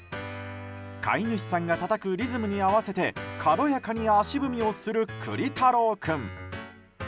飼い主さんがたたくリズムに合わせて軽やかに足踏みをする栗太郎君。